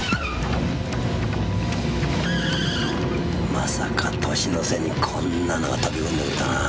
まさか年の瀬にこんなのが飛び込んでくるとはなぁ。